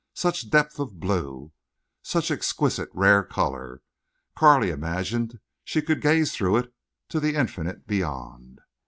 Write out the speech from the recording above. Such depth of blue, such exquisite rare color! Carley imagined she could gaze through it to the infinite beyond.